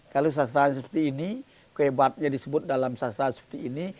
kalau sastra seperti ini kehebatnya disebut dalam sastra seperti ini